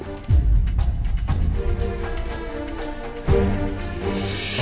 selamat malam pak bidisa